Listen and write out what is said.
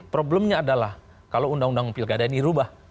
problemnya adalah kalau undang undang pilkada ini berubah